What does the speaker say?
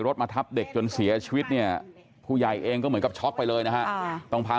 มาทับเด็กจนเสียชีวิตเนี่ยผู้ใหญ่เองก็เหมือนกับช็อกไปเลยนะฮะต้องพา